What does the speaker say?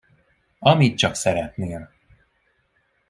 Amit csak szeretnél.